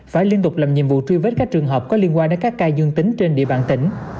phải liên tục làm nhiệm vụ truy vết các trường hợp có liên quan đến các ca dương tính trên địa bàn tỉnh